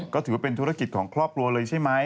ก็ถือว่าเป็นธุรกิจของครอบครัวเลยใช่ไหม